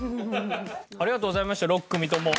ありがとうございました６組とも。